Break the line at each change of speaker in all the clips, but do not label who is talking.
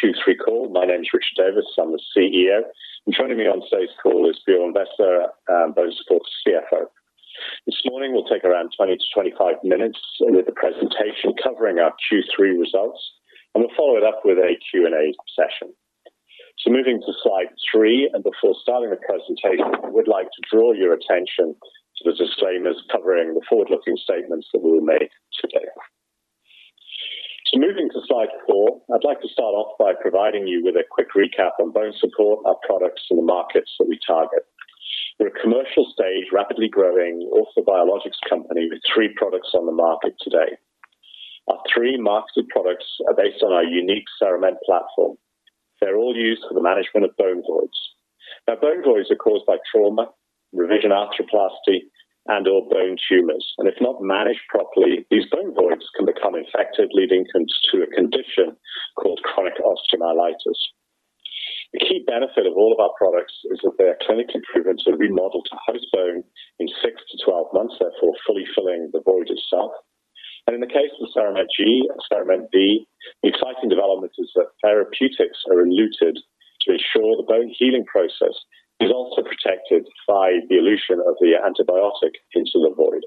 Welcome to BONESUPPORT Q3 call. My name is Richard Davies, I'm the CEO, and joining me on today's call is Björn Westberg, BONESUPPORT's CFO. This morning, we'll take around 20 to 25 minutes with the presentation covering our Q3 results, and we'll follow it up with a Q&A session. Moving to slide three, and before starting the presentation, we'd like to draw your attention to the disclaimers covering the forward-looking statements that we will make today. Moving to slide four, I'd like to start off by providing you with a quick recap on BONESUPPORT, our products, and the markets that we target. We're a commercial stage, rapidly growing orthobiologics company with three products on the market today. Our three marketed products are based on our unique CERAMENT platform. They're all used for the management of bone voids. Bone voids are caused by trauma, revision arthroplasty, and/or bone tumors, and if not managed properly, these bone voids can become infected, leading into a condition called chronic osteomyelitis. The key benefit of all of our products is that they are clinically proven to remodel to host bone in six to 12 months, therefore, fully filling the void itself. In the case of CERAMENT G and CERAMENT V, the exciting development is that therapeutics are eluted to ensure the bone healing process is also protected by the elution of the antibiotic into the void.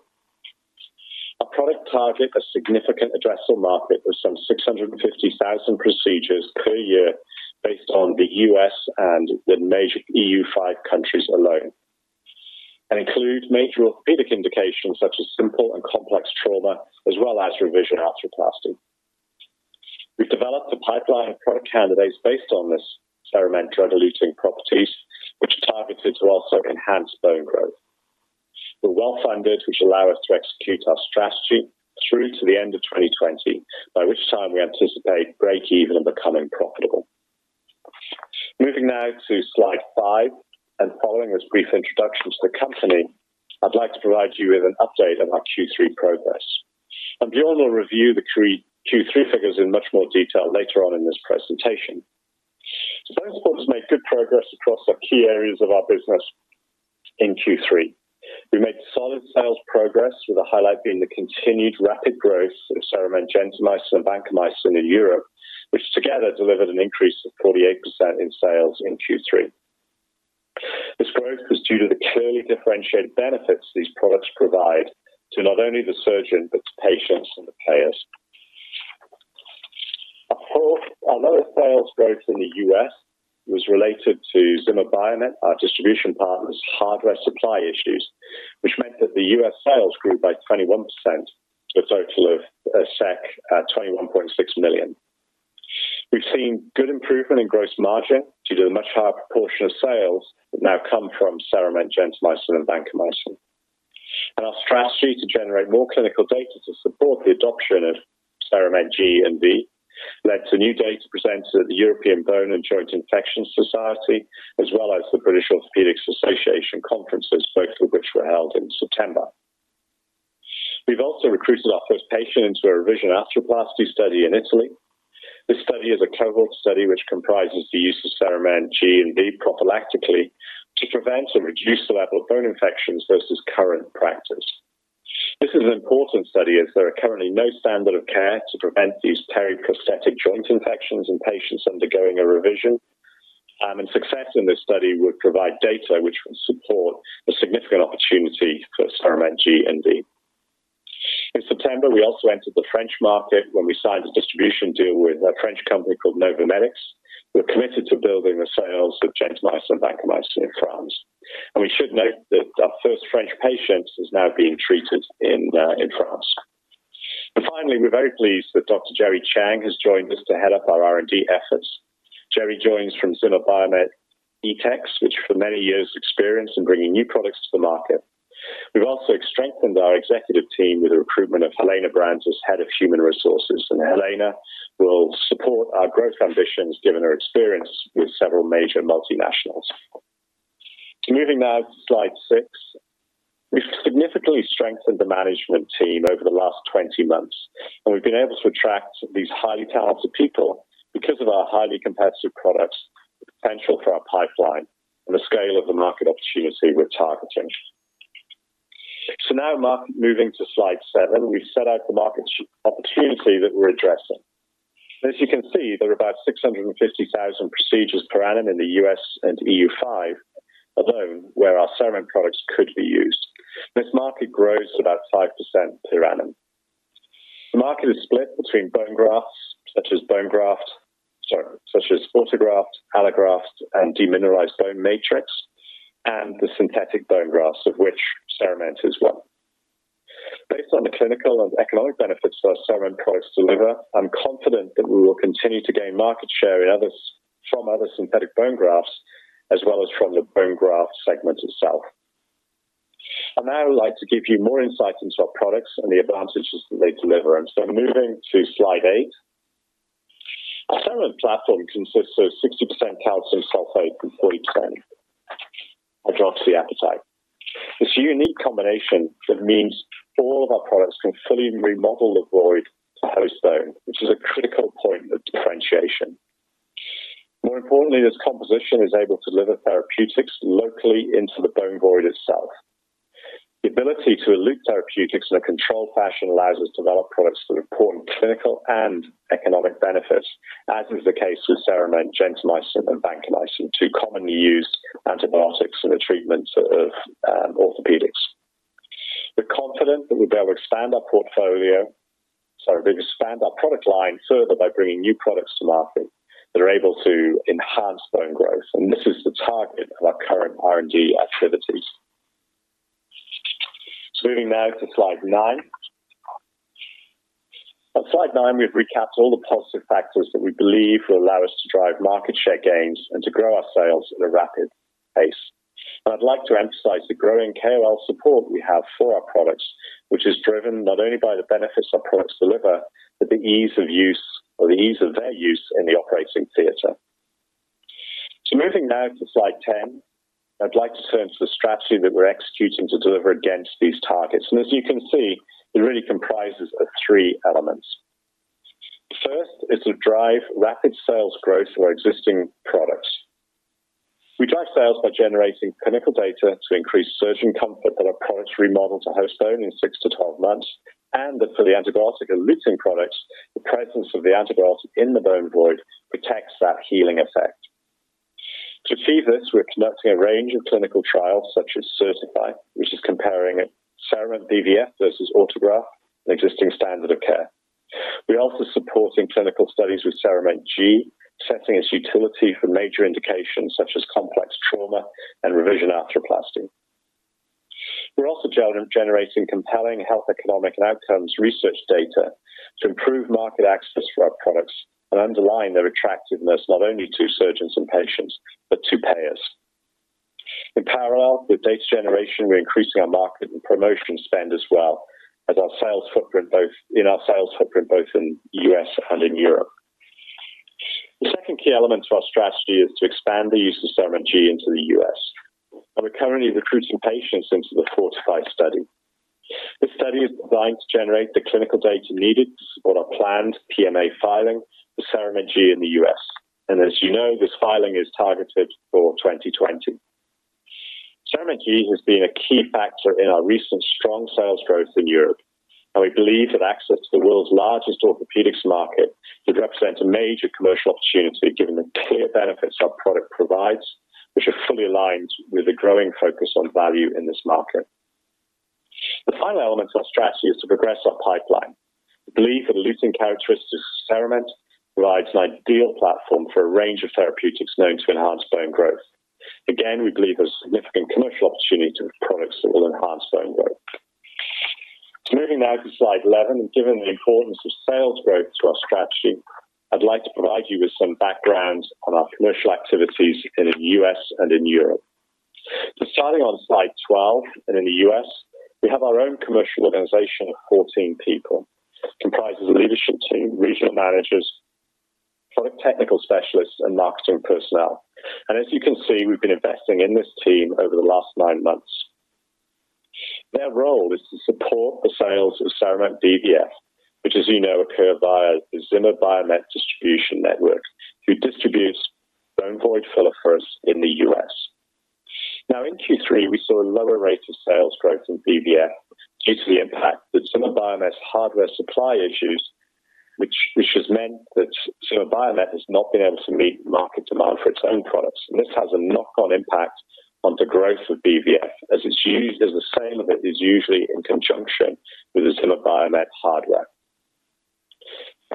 Our product target a significant addressable market with some 650,000 procedures per year based on the U.S. and the major EU5 countries alone, and includes major orthopedic indications such as simple and complex trauma, as well as revision arthroplasty. We've developed a pipeline of product candidates based on this CERAMENT drug-eluting properties, which are targeted to also enhance bone growth. We're well-funded, which allow us to execute our strategy through to the end of 2020, by which time we anticipate break even and becoming profitable. Moving now to slide five, following this brief introduction to the company, I'd like to provide you with an update on our Q3 progress. Björn will review Q3 figures in much more detail later on in this presentation. BONESUPPORT has made good progress across the key areas of our business in Q3. We made solid sales progress, with the highlight being the continued rapid growth of CERAMENT gentamicin and vancomycin in Europe, which together delivered an increase of 48% in sales in Q3. This growth is due to the clearly differentiated benefits these products provide to not only the surgeon, but to patients and the payers. A lot of sales growth in the U.S. was related to Zimmer Biomet, our distribution partner's hardware supply issues, which meant that the U.S. sales grew by 21%, to a total of 21.6 million. We've seen good improvement in gross margin due to a much higher proportion of sales that now come from CERAMENT G and [CERAMENT V]. Our strategy to generate more clinical data to support the adoption of CERAMENT G and V led to new data presented at the European Bone and Joint Infection Society, as well as the British Orthopaedic Association conferences, both of which were held in September. We've also recruited our first patient into a revision arthroplasty study in Italy. This study is a cohort study, which comprises the use of CERAMENT G and V prophylactically, to prevent and reduce the level of bone infections versus current practice. This is an important study, as there are currently no standard of care to prevent these periprosthetic joint infections in patients undergoing a revision. Success in this study would provide data which will support a significant opportunity for CERAMENT G and V. In September, we also entered the French market when we signed a distribution deal with a French company called NOVOMEDICS. We're committed to building the sales of gentamicin and vancomycin in France. We should note that our first French patient is now being treated in France. Finally, we're very pleased that Dr. Michael Diefenbeck has joined us to head up our R&D efforts. Jerry joins from Zimmer Biomet Etex, which for many years experience in bringing new products to the market. We've also strengthened our executive team with the recruitment of Helena Brandt as Head of Human Resources. Helena will support our growth ambitions, given her experience with several major multinationals. Moving now to slide six. We've significantly strengthened the management team over the last 20 months. We've been able to attract these highly talented people because of our highly competitive products, the potential for our pipeline, and the scale of the market opportunity we're targeting. Now moving to slide seven, we've set out the market opportunity that we're addressing. As you can see, there are about 650,000 procedures per annum in the U.S. and EU5 alone, where our CERAMENT products could be used. This market grows at about 5% per annum. The market is split between bone grafts, such as autografts, allografts, and demineralized bone matrix, and the synthetic bone grafts, of which CERAMENT is one. Based on the clinical and economic benefits our CERAMENT products deliver, I'm confident that we will continue to gain market share from other synthetic bone grafts, as well as from the bone graft segment itself. I'd now like to give you more insights into our products and the advantages that they deliver. Moving to slide eight. Our CERAMENT platform consists of 60% calcium sulfate and 40% hydroxyapatite. This unique combination means all of our products can fully remodel the void to host bone, which is a critical point of differentiation. More importantly, this composition is able to deliver therapeutics locally into the bone void itself. The ability to elute therapeutics in a controlled fashion allows us to develop products with important clinical and economic benefits, as is the case with CERAMENT, gentamicin, and vancomycin, two commonly used antibiotics in the treatment of orthopedics. We're confident that we'll be able to expand our product line further by bringing new products to market that are able to enhance bone growth, and this is the target of our current R&D activities. Moving now to slide nine. On slide nine, we've recapped all the positive factors that we believe will allow us to drive market share gains and to grow our sales at a rapid pace. I'd like to emphasize the growing KOL support we have for our products, which is driven not only by the benefits our products deliver, but the ease of use or the ease of their use in the operating theater. Moving now to slide 10, I'd like to turn to the strategy that we're executing to deliver against these targets. As you can see, it really comprises of three elements. First is to drive rapid sales growth for our existing products. We drive sales by generating clinical data to increase surgeon comfort that our products remodel to host bone in six to 12 months, and that for the antibiotic eluting products, the presence of the antibiotic in the bone void protects that healing effect. To achieve this, we're conducting a range of clinical trials such as CERTiFy, which is comparing a CERAMENT BVF versus autograft, an existing standard of care. We're also supporting clinical studies with CERAMENT G, setting its utility for major indications such as complex trauma and revision arthroplasty. We're also generating compelling health, economic, and outcomes research data to improve market access for our products and underline their attractiveness, not only to surgeons and patients, but to payers. In parallel with data generation, we're increasing our market and promotion spend as well as our sales footprint, both in U.S. and in Europe. The second key element to our strategy is to expand the use of CERAMENT G into the U.S. We're currently recruiting patients into the FORTIFY study. The study is designed to generate the clinical data needed to support our planned PMA filing for CERAMENT G in the U.S. As you know, this filing is targeted for 2020. CERAMENT G has been a key factor in our recent strong sales growth in Europe, and we believe that access to the world's largest orthopedics market would represent a major commercial opportunity, given the clear benefits our product provides, which are fully aligned with the growing focus on value in this market. The final element of our strategy is to progress our pipeline. We believe that the eluting characteristics of CERAMENT provides an ideal platform for a range of therapeutics known to enhance bone growth. Again, we believe there's significant commercial opportunity with products that will enhance bone growth. Moving now to slide 11, given the importance of sales growth to our strategy, I'd like to provide you with some background on our commercial activities in the U.S. and in Europe. Starting on slide 12, and in the U.S., we have our own commercial organization of 14 people, comprises a leadership team, regional managers, product technical specialists, and marketing personnel. As you can see, we've been investing in this team over the last nine months. Their role is to support the sales of CERAMENT BVF, which, as you know, occur via the Zimmer Biomet distribution network, who distributes bone void filler for us in the U.S. In Q3, we saw a lower rate of sales growth in BVF due to the impact that Zimmer Biomet's hardware supply issues, which has meant that Zimmer Biomet has not been able to meet market demand for its own products. This has a knock-on impact on the growth of BVF, as the sale of it is usually in conjunction with the Zimmer Biomet hardware.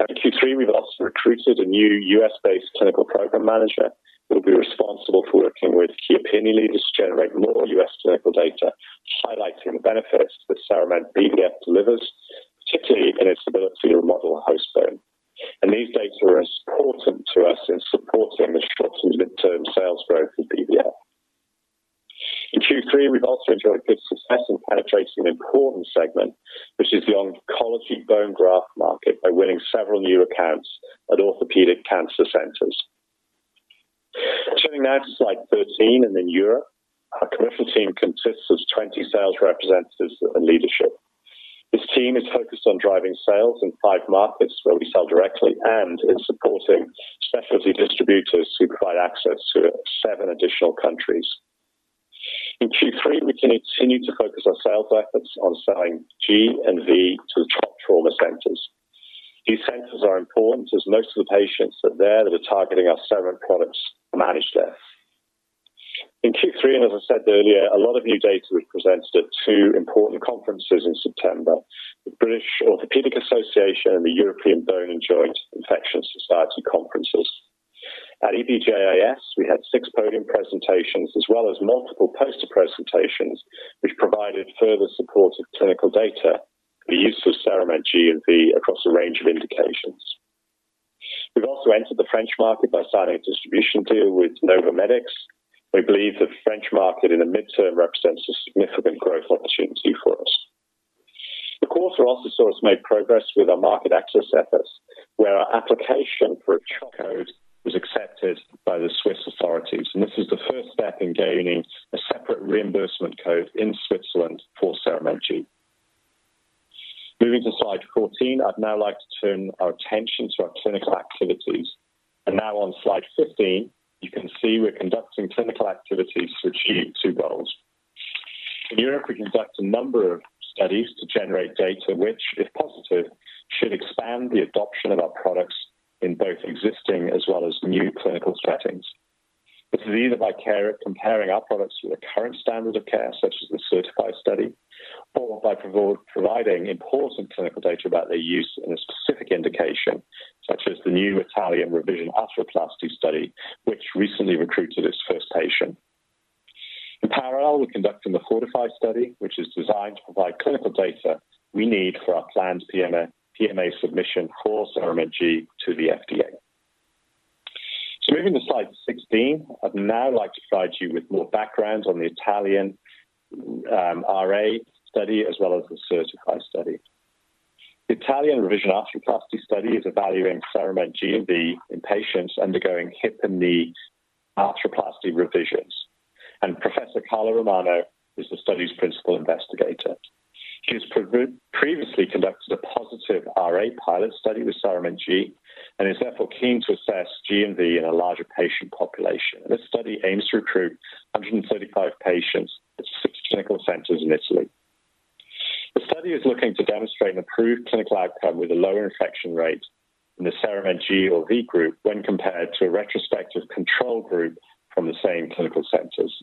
In Q3, we've also recruited a new U.S.-based clinical program manager, who will be responsible for working with key opinion leaders to generate more U.S. clinical data, highlighting the benefits that CERAMENT BVF delivers, particularly in its ability to remodel host bone. These data are important to us in supporting the short and midterm sales growth of BVF. In Q3, we've also enjoyed good success in penetrating an important segment, which is the oncology bone graft market, by winning several new accounts at orthopedic cancer centers. Turning now to slide 13, in Europe, our commercial team consists of 20 sales representatives and leadership. This team is focused on driving sales in five markets where we sell directly and in supporting specialty distributors who provide access to seven additional countries. In Q3, we continued to focus our sales efforts on selling G and V to top trauma centers. These centers are important as most of the patients that are there that are targeting our CERAMENT products manage there. In Q3, as I said earlier, a lot of new data was presented at two important conferences in September, the British Orthopaedic Association and the European Bone and Joint Infection Society conferences. At EBJIS, we had six podium presentations as well as multiple poster presentations, which provided further support of clinical data, the use of CERAMENT G and CERAMENT V across a range of indications. We've also entered the French market by signing a distribution deal with NOVOMEDICS. We believe the French market in the midterm represents a significant growth opportunity for us. The quarter also saw us make progress with our market access efforts, where our application for a trial code was accepted by the Swiss authorities. This is the first step in gaining a separate reimbursement code in Switzerland for CERAMENT G. Moving to slide 14, I'd now like to turn our attention to our clinical activities. Now on slide 15, you can see we're conducting clinical activities to achieve two goals. In Europe, we conduct a number of studies to generate data, which, if positive, should expand the adoption of our products in both existing as well as new clinical settings. This is either comparing our products with the current standard of care, such as the CERTiFy study, or by providing important clinical data about their use in a specific indication, such as the new Italian Revision Arthroplasty study, which recently recruited its first patient. In parallel, we're conducting the FORTIFY study, which is designed to provide clinical data we need for our planned PMA submission for CERAMENT G to the FDA. Moving to slide 16, I'd now like to provide you with more background on the Italian RA study as well as the CERTiFy study. The Italian Revision Arthroplasty study is evaluating CERAMENT G and the patients undergoing hip and knee arthroplasty revisions, and Professor Carlo Romano is the study's principal investigator. She's previously conducted a positive RA pilot study with CERAMENT G and is therefore keen to assess G and V in a larger patient population, and this study aims to recruit 135 patients at six clinical centers in Italy. The study is looking to demonstrate an approved clinical outcome with a lower infection rate in the CERAMENT G or V group when compared to a retrospective control group from the same clinical centers.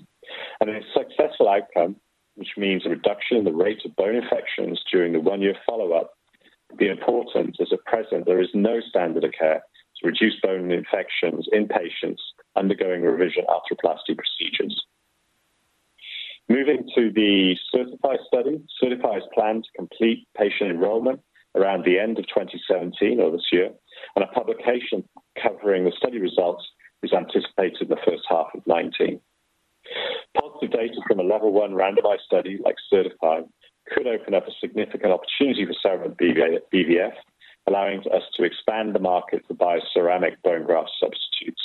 A successful outcome, which means a reduction in the rate of bone infections during the one-year follow-up, will be important, as at present, there is no standard of care to reduce bone infections in patients undergoing revision arthroplasty procedures. Moving to the CERTiFy study, CERTiFy is planned to complete patient enrollment around the end of 2017 or this year. A publication covering the study results is anticipated in the first half of 2019. Positive data from a level one randomized study like CERTiFy could open up a significant opportunity for CERAMENT BVF, allowing us to expand the market to bioceramic bone graft substitutes.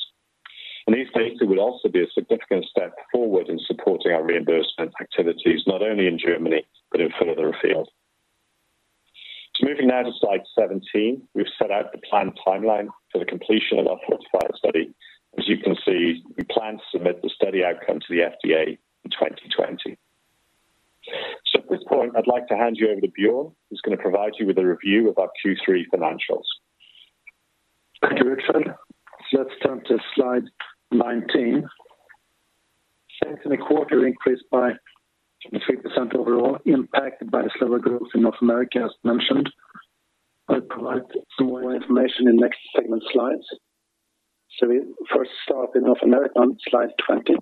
These data will also be a significant step forward in supporting our reimbursement activities, not only in Germany but in further afield. Moving now to slide 17, we've set out the planned timeline for the completion of our FORTIFY study. As you can see, we plan to submit the study outcome to the FDA in 2020. At this point, I'd like to hand you over to Björn, who's going to provide you with a review of our Q3 financials.
Thank you, Richard. Let's turn to slide 19. Sales in the quarter increased by 23% overall, impacted by slower growth in North America, as mentioned. I'll provide some more information in next segment slides. We first start in North America on slide 20.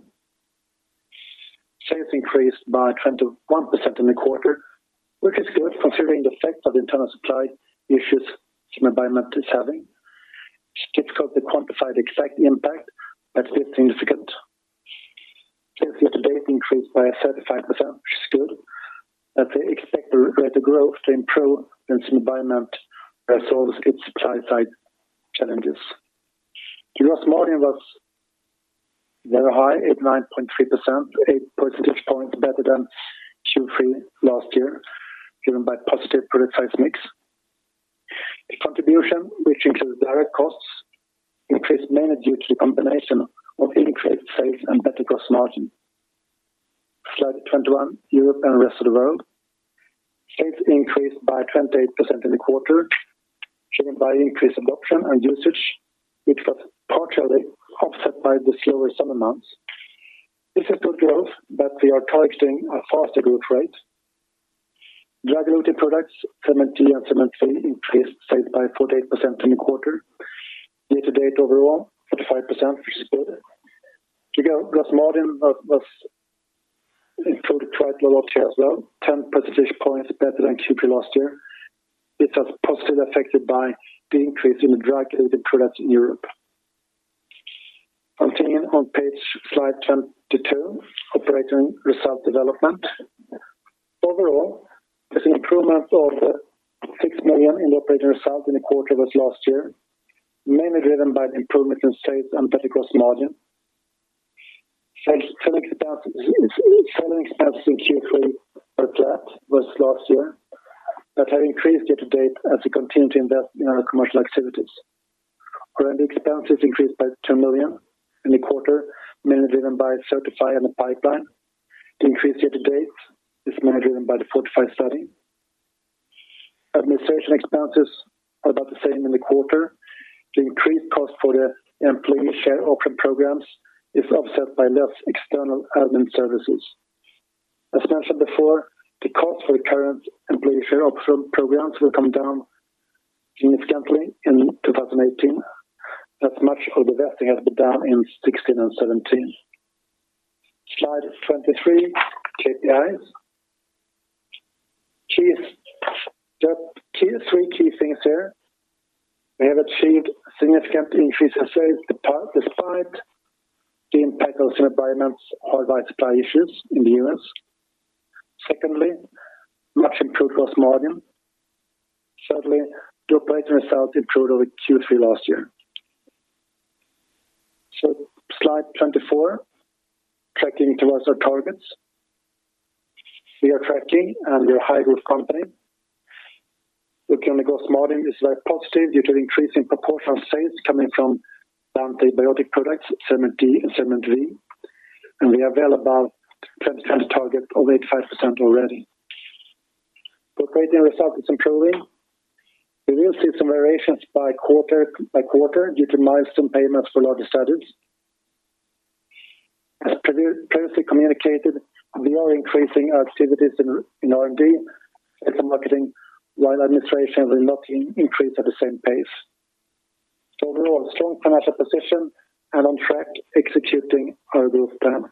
Sales increased by 21% in the quarter, which is good considering the effect of the internal supply issues Zimmer Biomet is having. It's difficult to quantify the exact impact, but it is significant. Sales year-to-date increased by 35%, which is good, as we expect the rate of growth to improve as Zimmer Biomet resolves its supply-side challenges. Gross margin was very high at 9.3%, 8 percentage points better than Q3 last year, driven by positive product size mix. The contribution, which includes direct costs, increased mainly due to the combination of increased sales and better gross margin. Slide 21, Europe and rest of the world. Sales increased by 28% in the quarter, driven by increased adoption and usage, which was partially offset by the slower summer months. This is good growth, we are targeting a faster growth rate. Drug-eluting products, CERAMENT G and CERAMENT V, increased sales by 48% in the quarter. Year to date overall, 45%, which is good. The gross margin improved quite a lot here as well, 10 percentage points better than Q3 last year. It was positively affected by the increase in the drug-eluting products in Europe. Continuing slide 22, operating result development. Overall, this improvement of 6 million in operating result in the quarter was last year, mainly driven by the improvement in sales and better gross margin. Selling expenses in Q3 are flat versus last year. Have increased year to date as we continue to invest in our commercial activities. R&D expenses increased by 2 million in the quarter, mainly driven by CERTiFy and the pipeline. The increase year to date is mainly driven by the FORTIFY study. Administration expenses are about the same in the quarter. The increased cost for the employee share option programs is offset by less external admin services. As mentioned before, the cost for the current employee share option programs will come down significantly in 2018, as much of the vesting has been done in 2016 and 2017. Slide 23, KPIs. The key, three key things here. We have achieved a significant increase in sales, despite the impact of Zimmer Biomet's hard drive supply issues in the U.S. Secondly, much improved gross margin. Thirdly, the operating results improved over Q3 last year. Slide 24, tracking towards our targets. We are tracking, and we're a high growth company. Look on the gross margin is very positive due to increasing proportion of sales coming from non-antibiotic products, CERAMENT G and CERAMENT V, and we are well above 10% target of 85% already. Operating results is improving. We will see some variations by quarter due to milestone payments for larger studies. As closely communicated, we are increasing our activities in R&D and marketing, while administration will not increase at the same pace. Overall, a strong financial position and on track executing our growth plan.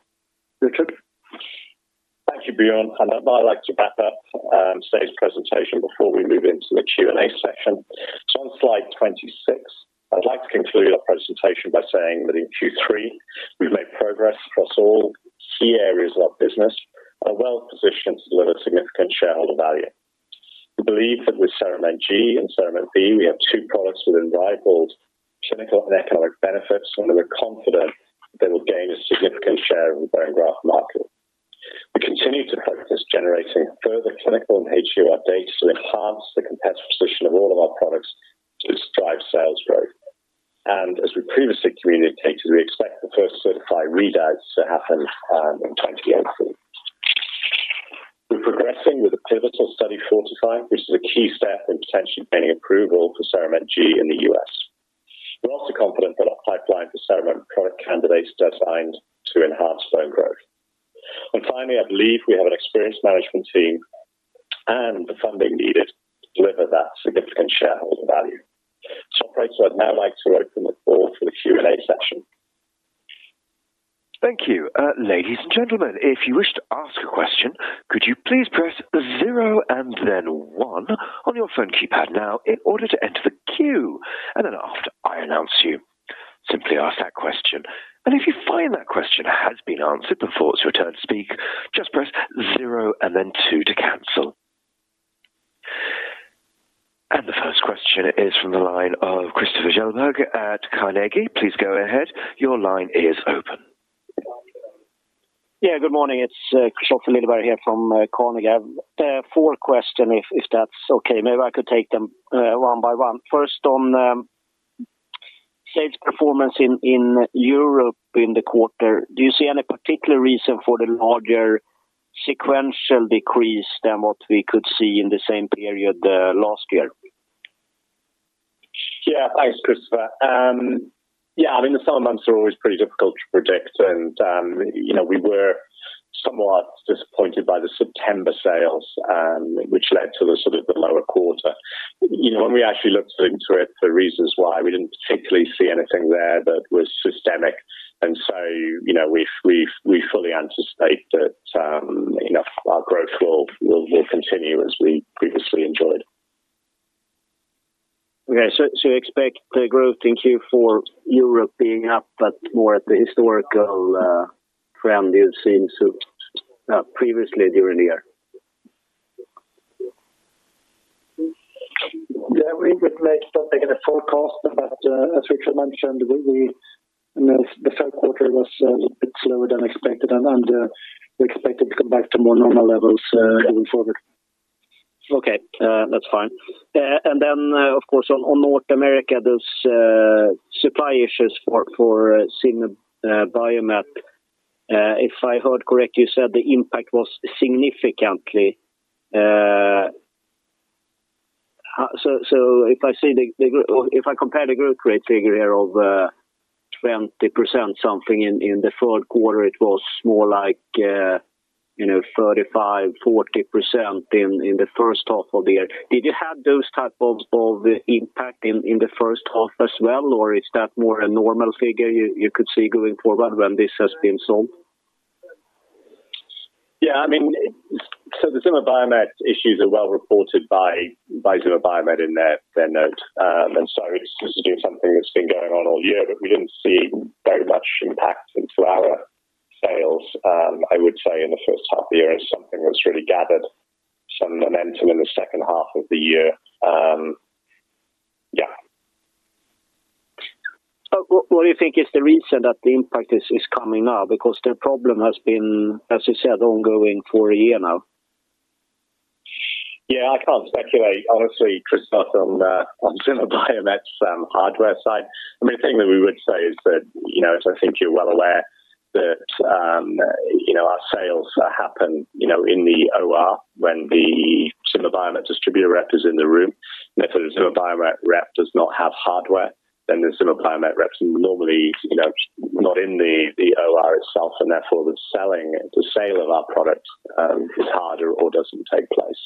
Richard?
Thank you, Björn, and I'd like to wrap up today's presentation before we move into the Q&A session. On slide 26, I'd like to conclude our presentation by saying that in Q3, we've made progress across all key areas of our business and are well positioned to deliver significant shareholder value. We believe that with CERAMENT G and CERAMENT V, we have two products with unrivaled clinical and economic benefits, and we're confident they will gain a significant share of the bone graft market. We continue to focus generating further clinical and HEOR updates to enhance the competitive position of all of our products to drive sales growth. As we previously communicated, we expect the first CERTiFy readouts to happen in 2018. We're progressing with the pivotal study FORTIFY, which is a key step in potentially gaining approval for CERAMENT G in the U.S. We're also confident that our pipeline for CERAMENT product candidates designed to enhance bone growth. Finally, I believe we have an experienced management team and the funding needed to deliver that significant shareholder value. Great, I'd now like to open the floor for the Q&A session.
Thank you. Ladies and gentlemen, if you wish to ask a question, could you please press zero and then one on your phone keypad now in order to enter the queue. Then after I announce you, simply ask that question. If you find that question has been answered before it's your turn to speak, just press zero and then two to cancel. The first question is from the line of Kristofer Liljeberg at Carnegie. Please go ahead. Your line is open.
Yeah, good morning. It's Kristofer Liljeberg here from Carnegie. I have four questions, if that's okay. Maybe I could take them one by one. First, on sales performance in Europe in the quarter, do you see any particular reason for the larger sequential decrease than what we could see in the same period, last year?
Yeah. Thanks, Kristofer. Yeah, I mean, the summer months are always pretty difficult to predict, and, you know, we were somewhat disappointed by the September sales, which led to the sort of the lower quarter. You know, when we actually looked into it, the reasons why we didn't particularly see anything there that was systemic. You know, we've fully anticipate that, you know, our growth will continue as we previously enjoyed.
You expect the growth in Q4 Europe being up, but more at the historical trend you've seen so previously during the year?
Yeah, we would like to make a forecast, but as Richard mentioned, we, you know, the Q3 was a little bit slower than expected, and we expect it to come back to more normal levels, going forward.
Okay, that's fine. Of course, on North America, those supply issues for Zimmer Biomet, if I heard correctly, you said the impact was significantly. If I see, if I compare the growth rate figure here of 20%, something in the Q3, it was more like, you know, 35%-40% in the first half of the year. Did you have those type of impact in the first half as well, or is that more a normal figure you could see going forward when this has been solved?
Yeah, I mean, the Zimmer Biomet issues are well reported by Zimmer Biomet in their note. This is something that's been going on all year, we didn't see very much impact into our sales. I would say in the first half of the year, it's something that's really gathered some momentum in the second half of the year. Yeah.
What do you think is the reason that the impact is coming now? The problem has been, as you said, ongoing for a year now.
Yeah, I can't speculate, honestly, Kristofer, on the, on Zimmer Biomet's hardware side. I mean, the thing that we would say is that, you know, as I think you're well aware, that, you know, our sales happen, you know, in the OR when the Zimmer Biomet distributor rep is in the room. If the Zimmer Biomet rep does not have hardware, then the Zimmer Biomet reps normally, you know, not in the OR itself, and therefore, the selling, the sale of our product, is harder or doesn't take place.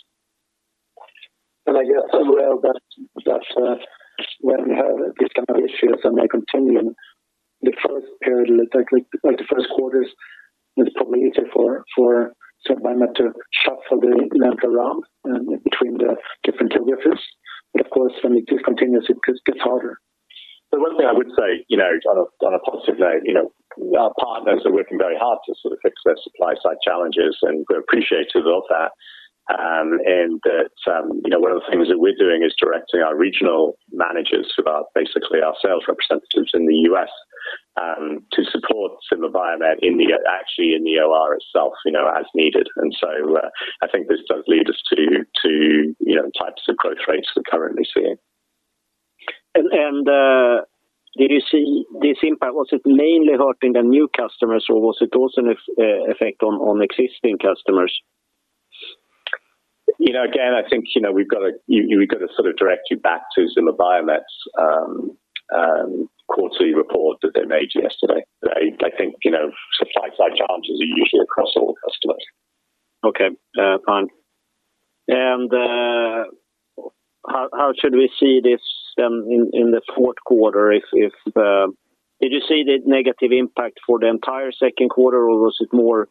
I guess as well, that, when we have these kind of issues and they continue, the first period, like the first quarters, is probably easier for Biomet to shuffle the demand around between the different geographies. Of course, when it discontinues, it gets harder.
The one thing I would say, you know, on a, on a positive note, you know, our partners are working very hard to sort of fix their supply side challenges, and we're appreciative of that. You know, one of the things that we're doing is directing our regional managers, who are basically our sales representatives in the US, to support Zimmer Biomet in the, actually in the OR itself, you know, as needed. I think this does lead us to, you know, types of growth rates we're currently seeing.
Did you see this impact, was it mainly hurting the new customers, or was it also an effect on existing customers?
You know, again, I think, you know, we've got to sort of direct you back to Zimmer Biomet's quarterly report that they made yesterday. I think, you know, supply side challenges are usually across all customers.
Okay, fine. How should we see this, in the Q4? Did you see the negative impact for the entire Q2, or was it more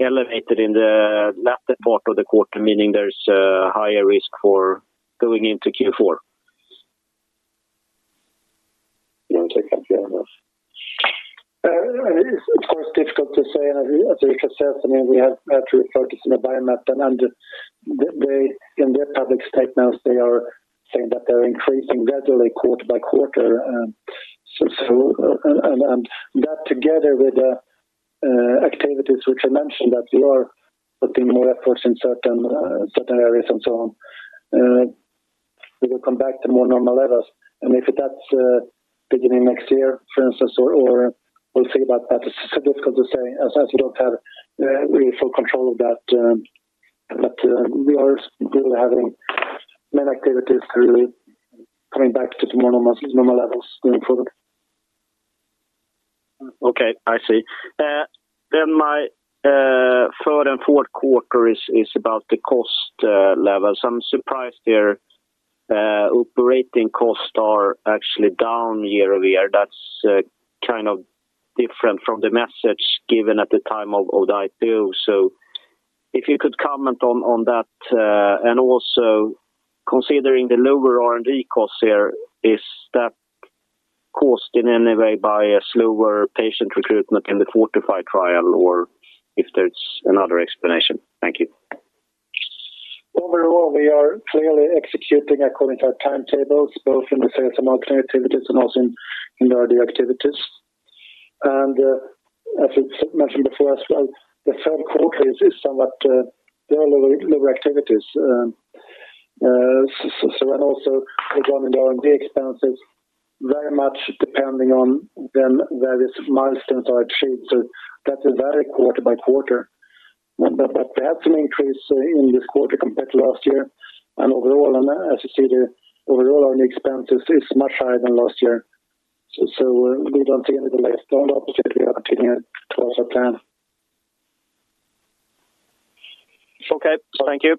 elevated in the latter part of the quarter, meaning there's a higher risk for going into Q4?
You want to take that, Björn?
It's of course, difficult to say, as you have said, I mean, we have had to focus on the Biomet, and they, in their public statements, they are saying that they're increasing gradually quarter by quarter. That together with the activities which I mentioned, that we are putting more efforts in certain areas and so on, we will come back to more normal levels. If that's beginning next year, for instance, or we'll see about that. It's difficult to say, as we don't have really full control of that, we are still having many activities really coming back to more normal levels going forward.
Okay, I see. My Q3 and Q4 is about the cost level. I'm surprised your operating costs are actually down year-over-year. That's kind of different from the message given at the time of the IPO. If you could comment on that, and also considering the lower R&D costs here, is that caused in any way by a slower patient recruitment in the FORTIFY trial or if there's another explanation? Thank you.
Overall, we are clearly executing according to our timetables, both in the sales and marketing activities and also in R&D activities. As it's mentioned before as well, the Q3 is somewhat, there are lower activities. So and also regarding the R&D expenses, very much depending on when various milestones are achieved. That is very quarter by quarter. But there's an increase in this quarter compared to last year and overall. As you see, the overall R&D expenses is much higher than last year. So we don't see any delay. On the opposite, we are continuing towards our plan.
Okay, thank you.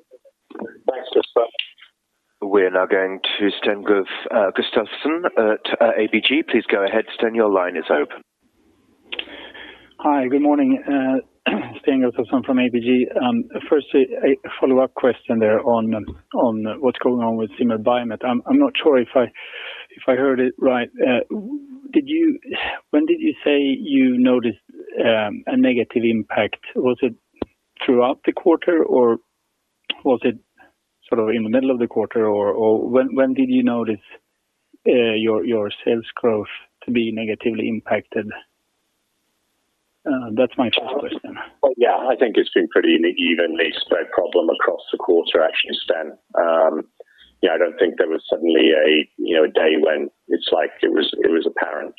Thanks, Kristofer.
We're now going to Sten Gustafsson at ABG. Please go ahead, Sten. Your line is open.
Hi, good morning, Sten Gustafsson from ABG. First a follow-up question there on what's going on with Zimmer Biomet. I'm not sure if I heard it right. When did you say you noticed a negative impact? Was it throughout the quarter, or was it sort of in the middle of the quarter, or when did you notice your sales growth to be negatively impacted? That's my first question.
Yeah, I think it's been pretty evenly spread problem across the quarter, actually, Sten. Yeah, I don't think there was suddenly a, you know, a day when it's like it was apparent.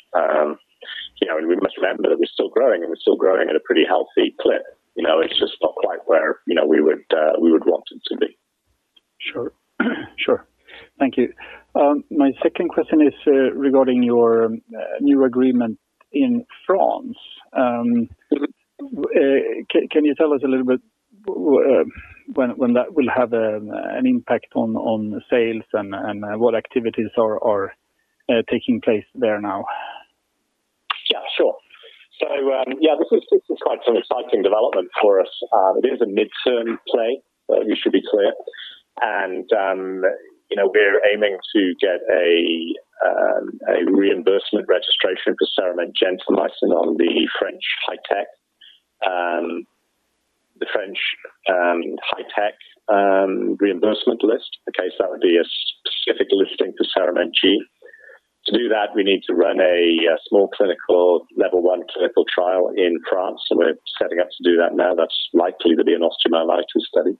You know, we must remember that we're still growing, and we're still growing at a pretty healthy clip. You know, it's just not quite where, you know, we would want it to be.
Sure. Sure. Thank you. My second question is regarding your new agreement in France. Can you tell us a little bit when that will have an impact on sales and what activities are taking place there now?
Yeah, sure. This is quite an exciting development for us. It is a midterm play, we should be clear. You know, we're aiming to get a reimbursement registration for CERAMENT gentamicin on the French high tech reimbursement list. That would be a specific listing for CERAMENT G. To do that, we need to run a small clinical, level one clinical trial in France, and we're setting up to do that now. That's likely to be an osteomyelitis study.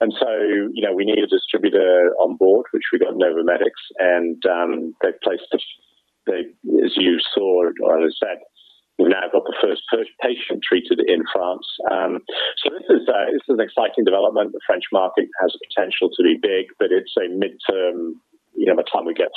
You know, we need a distributor on board, which we got NOVOMEDICS, and as you saw or as I said, we've now got the first patient treated in France. This is an exciting development. The French market has the potential to be big, but it's a midterm, you know, by the time we get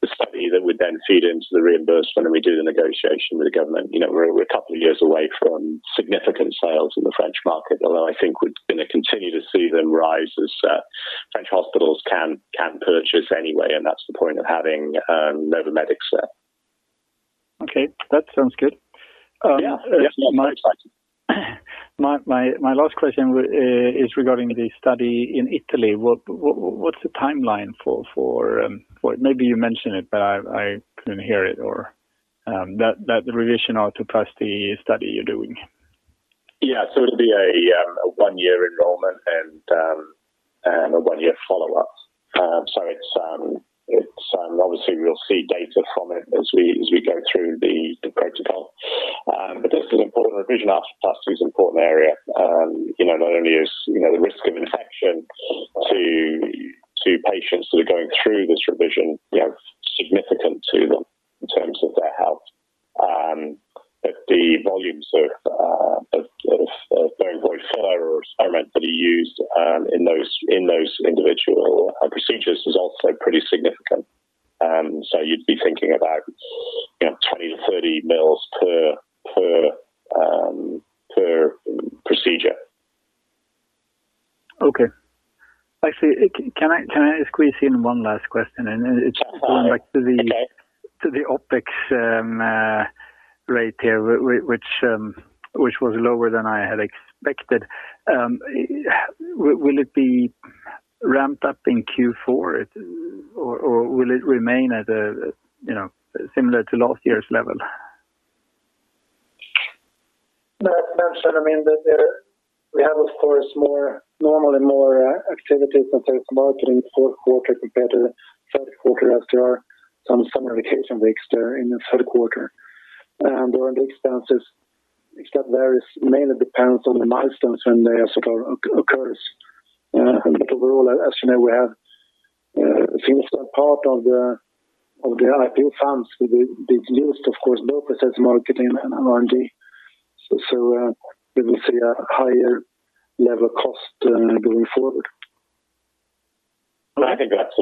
through the study that would then feed into the reimbursement, and we do the negotiation with the government, you know, we're a couple of years away from significant sales in the French market, although I think we're going to continue to see them rise as French hospitals can purchase anyway, and that's the point of having NOVOMEDICS there.
Okay, that sounds good.
Yeah. Yeah, very exciting.
My last question is regarding the study in Italy. What's the timeline for... Maybe you mentioned it, but I couldn't hear it or... That revision arthroplasty study you're doing?
Yeah. It'll be a one-year enrollment and a one-year follow-up. It's obviously we'll see data from it as we go through the protocol. This is important. Revision arthroplasty is important area. You know, not only is, you know, the risk of infection to patients that are going through this revision, you know, significant to them in terms of their health, but the volumes of Bone Void Filler are meant to be used in those individual procedures is also pretty significant. You'd be thinking about, you know, 20 to 30 mils per procedure.
Okay. Actually, can I squeeze in one last question?
Sure.
It's going back to.
Okay.
to the OpEx rate here, which was lower than I had expected. Will it be ramped up in Q4, or will it remain at a, you know, similar to last year's level?
That mentioned, I mean, that there we have, of course, more, normally more, activities and there's marketing Q4 compared to the Q3, as there are some summer vacation breaks there in the Q3. During the expenses, except there is mainly depends on the milestones when they sort of occurs. Overall, as you know, we have, since that part of the IPO funds be used, of course, both as marketing and R&D. We will see a higher level cost, going forward.
I think that's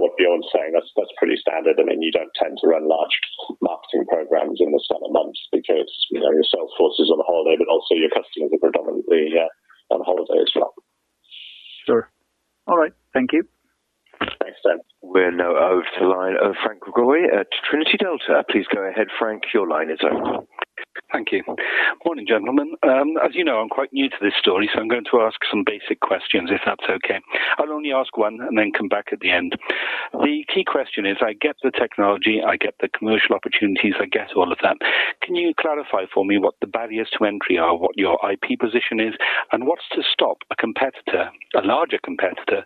what Björn saying. That's pretty standard. I mean, you don't tend to run large marketing programs in the summer months because, you know, your sales force is on holiday, but also your customers are predominantly on holiday as well.
Sure. All right. Thank you.
Thanks, Sten.
We're now over to the line of Franc Gregori at Trinity Delta. Please go ahead, Franc. Your line is open.
Thank you. Morning, gentlemen. As you know, I'm quite new to this story, so I'm going to ask some basic questions, if that's okay. I'll only ask one and then come back at the end. The key question is, I get the technology, I get the commercial opportunities, I get all of that. Can you clarify for me what the barriers to entry are, what your IP position is, and what's to stop a competitor, a larger competitor,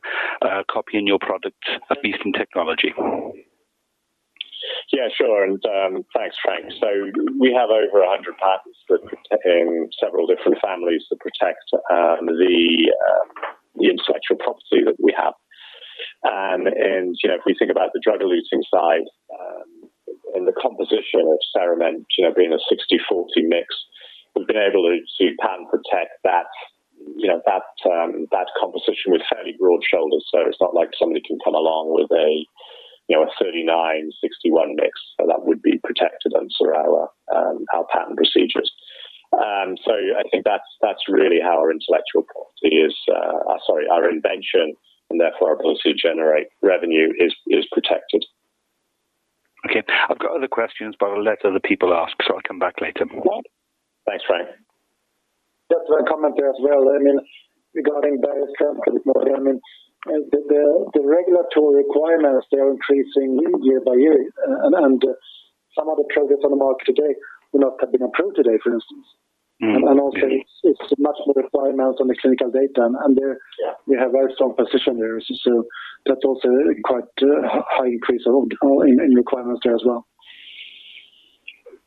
copying your product, at least in technology?
Yeah, sure, thanks, Franc Gregori. We have over 100 patents that protect in several different families that protect the intellectual property that we have. You know, if we think about the drug-eluting side, and the composition of CERAMENT, you know, being a 60/40 mix, we've been able to patent protect that, you know, that composition with fairly broad shoulders. It's not like somebody can come along with a, you know, a 39/61 mix, that would be protected under our patent procedures. I think that's really how our intellectual property is, sorry, our invention and therefore, our ability to generate revenue is protected.
Okay. I've got other questions, but I'll let other people ask, so I'll come back later.
Thanks, Franc.
Just a comment there as well. I mean, regarding barriers to entry, I mean, the regulatory requirements, they are increasing year by year. Some of the products on the market today would not have been approved today, for instance.
Mm-hmm. Okay.
Also it's much more requirements on the clinical data, and there...
Yeah.
we have very strong position there. That's also quite high increase in requirements there as well.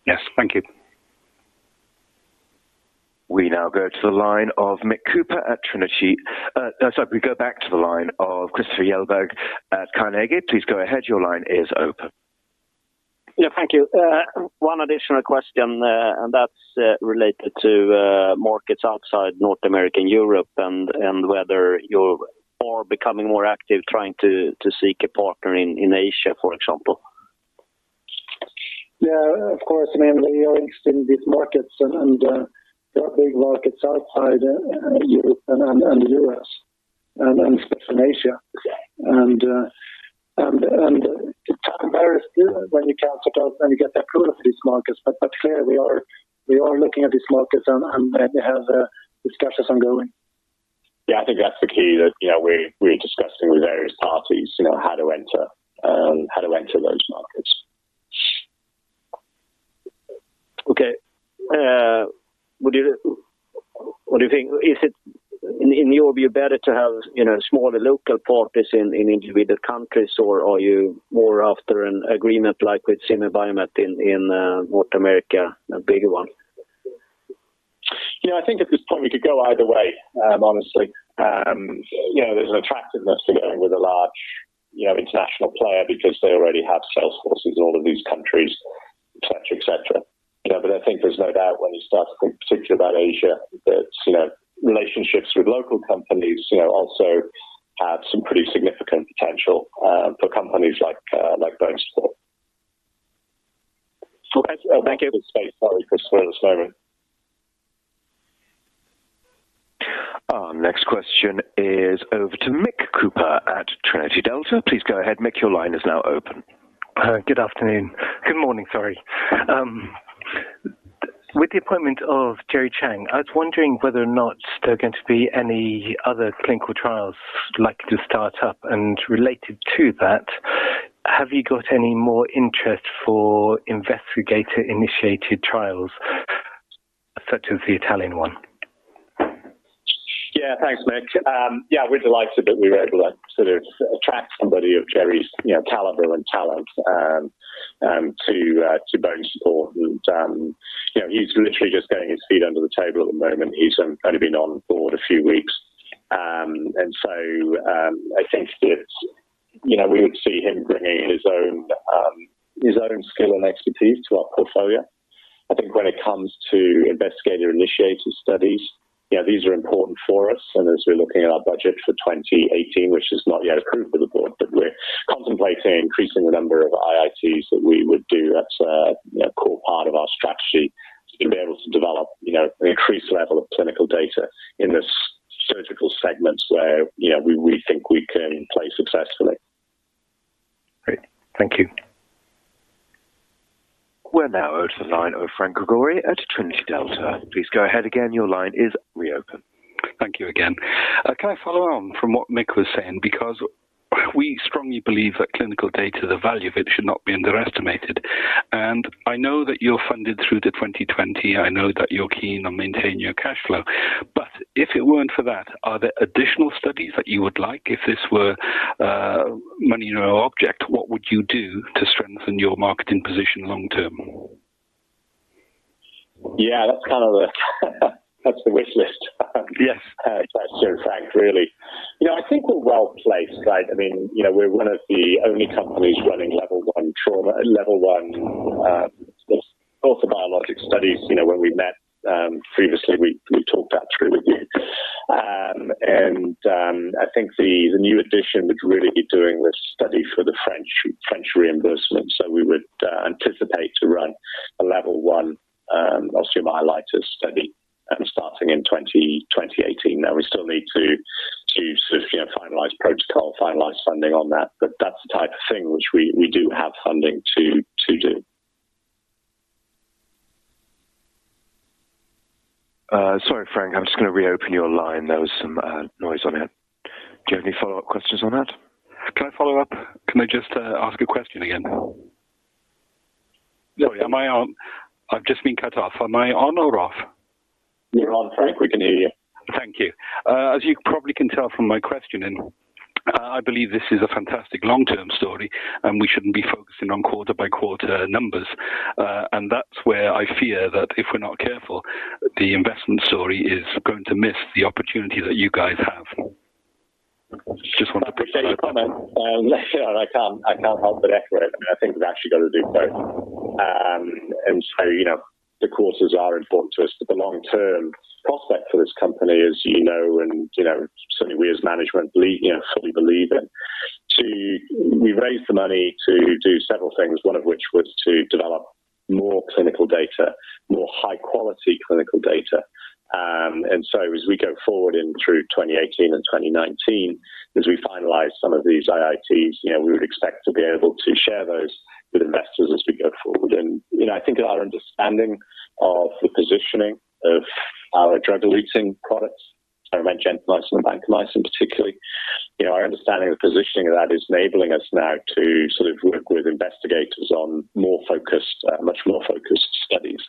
Yes. Thank you.
We now go to the line of Mick Cooper at Trinity. sorry, we go back to the line of Kristofer Liljeberg at Carnegie. Please go ahead. Your line is open.
Yeah, thank you. One additional question, and that's related to markets outside North America and Europe, and whether you're becoming more active trying to seek a partner in Asia, for example?
Yeah, of course. I mean, we are interested in these markets and there are big markets outside Europe and, and U.S., and especially Asia. It varies when you can sort of, when you get the approval of these markets. Clearly, we are, we are looking at these markets and we have discussions ongoing.
Yeah, I think that's the key that, you know, we're discussing with various parties, you know, how to enter those markets.
Okay. What do you think, is it in your view, better to have, you know, smaller local partners in individual countries, or are you more after an agreement like with Zimmer Biomet in North America, a bigger one?
I think at this point we could go either way, honestly. You know, there's an attractiveness to going with a large, you know, international player because they already have sales forces in all of these countries, et cetera. I think there's no doubt when you start to think particularly about Asia, that, you know, relationships with local companies, you know, also have some pretty significant potential for companies like BONESUPPORT.
Thank you.
Sorry, Kristofer, at this moment.
Our next question is over to Mick Cooper at Trinity Delta. Please go ahead, Mick. Your line is now open.
Good afternoon. Good morning, sorry. With the appointment of Jerry Chang, I was wondering whether or not there are going to be any other clinical trials likely to start up, and related to that, have you got any more interest for investigator-initiated trials, such as the Italian one?
Yeah, thanks, Mick. Yeah, we're delighted that we were able to sort of attract somebody of Jerry's, you know, caliber and talent to BONESUPPORT. You know, he's literally just getting his feet under the table at the moment. He's only been on board a few weeks. I think it's, you know, we would see him bringing his own skill and expertise to our portfolio. I think when it comes to investigator-initiated studies, yeah, these are important for us, and as we're looking at our budget for 2018, which is not yet approved by the board, but we're contemplating increasing the number of IITs that we would do. That's a core part of our strategy to be able to develop, you know, an increased level of clinical data in the surgical segments where, you know, we think we can play successfully.
Great. Thank you.
We're now over to the line of Franc Gregori at Trinity Delta. Please go ahead again. Your line is reopened.
Thank you again. Can I follow on from what Mick was saying? We strongly believe that clinical data, the value of it, should not be underestimated. I know that you're funded through to 2020. I know that you're keen on maintaining your cash flow. If it weren't for that, are there additional studies that you would like? If this were money no object, what would you do to strengthen your marketing position long term?
Yeah, that's kind of the, that's the wish list.
Yes.
Thanks, Franc, really. You know, I think we're well-placed, right? I mean, you know, we're one of the only companies running level 1 trauma, level 1 orthobiologic studies. You know, when we met previously, we talked that through with you. I think the new addition would really be doing this study for the French reimbursement. We would anticipate to run a level 1 osteomyelitis study starting in 2018. We still need to sort of, you know, finalize protocol, finalize funding on that, but that's the type of thing which we do have funding to do.
Sorry, Franc, I'm just gonna reopen your line. There was some noise on it. Do you have any follow-up questions on that?
Can I follow up? Can I just ask a question again? Sorry, am I on... I've just been cut off. Am I on or off?
You're on, Franc. We can hear you.
Thank you. As you probably can tell from my questioning, I believe this is a fantastic long-term story, we shouldn't be focusing on quarter-by-quarter numbers. That's where I fear that if we're not careful, the investment story is going to miss the opportunity that you guys have.
I appreciate your comment. I can't help but echo it. I think we've actually got to do both. You know, the quarters are important to us, but the long-term prospect for this company, as you know, and, you know, certainly we as management believe, you know, fully believe in. We've raised the money to do several things, one of which was to develop more clinical data, more high-quality clinical data. As we go forward in through 2018 and 2019, as we finalize some of these IITs, you know, we would expect to be able to share those with investors as we go forward. You know, I think our understanding of the positioning of our drug-eluting products, I mentioned gentamicin and vancomycin, particularly. You know, our understanding of the positioning of that is enabling us now to sort of work with investigators on more focused, much more focused studies.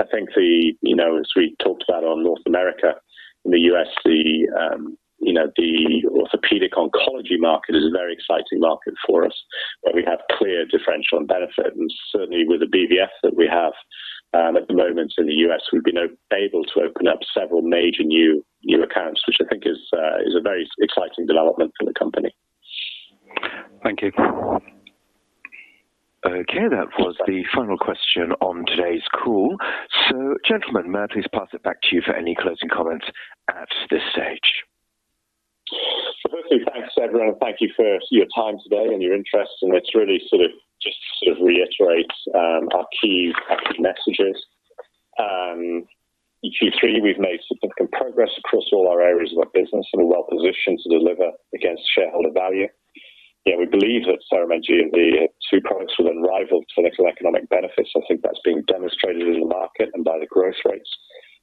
I think the, you know, as we talked about on North America, in the US, the, you know, the orthopedic oncology market is a very exciting market for us, where we have clear differential and benefit, and certainly with the BVF that we have, at the moment in the US, we've been able to open up several major new accounts, which I think is a, is a very exciting development for the company.
Thank you.
Okay, that was the final question on today's call. Gentlemen, may I please pass it back to you for any closing comments at this stage?
Perfectly. Thanks, everyone, thank you for your time today and your interest, let's really just sort of reiterate our key active messages. In Q3, we've made significant progress across all our areas of our business are well-positioned to deliver against shareholder value. You know, we believe that CERAMENT G and V, the two products, with unrivaled clinical economic benefits. I think that's been demonstrated in the market and by the growth rates.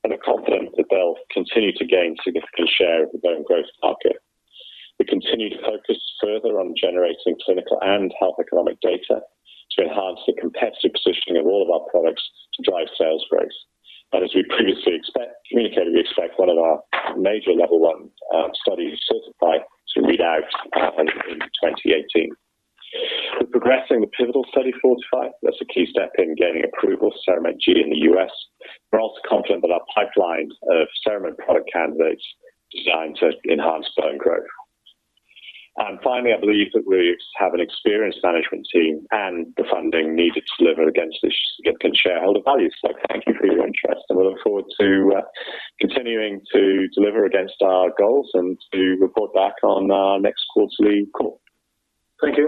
We're confident that they'll continue to gain significant share of the bone growth market. We continue to focus further on generating clinical and health economic data to enhance the competitive positioning of all of our products to drive sales growth. As we previously communicated, we expect one of our major level one studies, CERTiFy, to read out in 2018. We're progressing the pivotal study FORTIFY. That's a key step in getting approval for CERAMENT G in the US. We're also confident that our pipeline of CERAMENT product candidates designed to enhance bone growth. I believe that we have an experienced management team and the funding needed to deliver against the significant shareholder value. Thank you for your interest, and we look forward to continuing to deliver against our goals and to report back on our next quarterly call. Thank you.